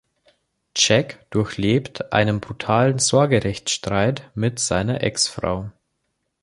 Jack durchlebt einen brutalen Sorgerechtsstreit mit seiner Exfrau.